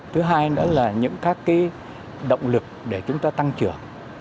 thứ hai nữa là những các cái động lực để chúng ta tăng trưởng